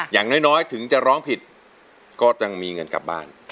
อย่างน้อยถึงจะร้องผิดก็ต้องมีเงินกลับบ้าน